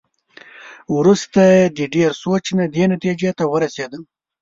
وروسته د ډېر سوچ نه دې نتېجې ته ورسېدم.